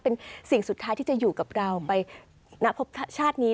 เป็นสิ่งสุดท้ายที่จะอยู่กับเราไปณพบชาตินี้